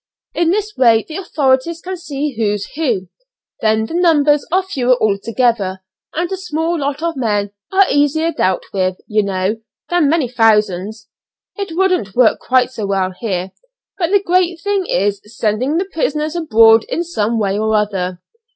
In this way the authorities can see who's who. Then the numbers are fewer altogether, and a small lot of men are easier dealt with, you know, than many thousands. It wouldn't work quite so well here, but the great thing is sending the prisoners abroad in some way or other.